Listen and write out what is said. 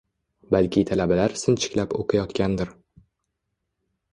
Balki talabalar sinchiklab o‘qiyotgandir.